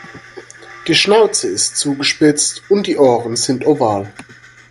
Die Schnauze ist zugespitzt und die Ohren sind oval.